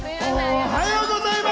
おはようございます！